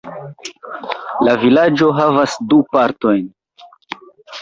La vilaĝo havas du partojn.